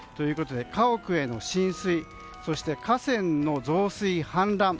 家屋への浸水、河川の増水・氾濫